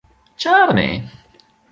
ĉarme